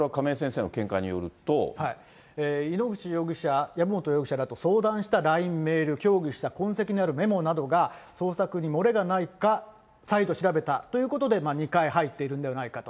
これ、井ノ口容疑者、籔本容疑者と相談したＬＩＮＥ、メール、協議した痕跡のあるメモなどが捜索に漏れがないか再度調べたということで、２回入っているんではないかと。